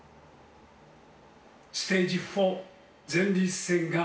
ステージ４、前立腺がん。